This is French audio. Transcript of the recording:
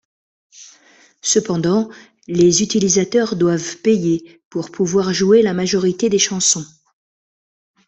Cependant, les utilisateurs doivent payer pour pouvoir jouer la majorité des chansons.